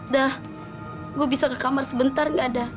dah gue bisa ke kamar sebentar gak ada